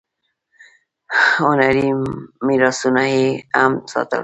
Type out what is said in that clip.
هنري میراثونه یې هم ساتل.